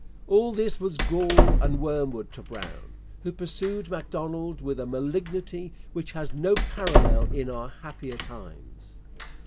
All this was gall and wormwood to Brown, who pursued Macdonald with a malignity which has no parallel in our happier times.